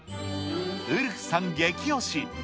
ウルフさん激推し！